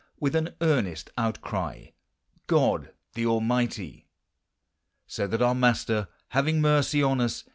with an earnest outcry, God the Almighty ! So that our Master, having mercy on us.